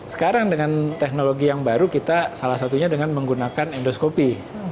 sekarang dengan teknologi yang baru kita salah satunya dengan menggunakan endoskopi